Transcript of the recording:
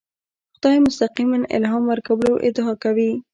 خدای مستقیماً الهام ورکولو ادعا کوي.